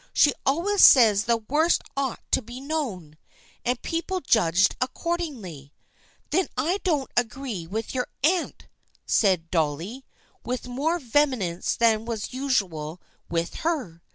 She always says the worst ought to be known, and people judged accordingly." " Then I don't agree with your aunt," said Dolly, with more vehemence than was usual with her.